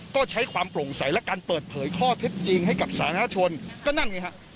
ก็ใช้ความโปร่งใสและการเปิดเผยข้อเท็จจริงให้กับสาธารณชนก็นั่นไงฮะ